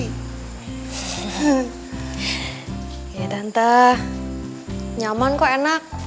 iya tante nyaman kok enak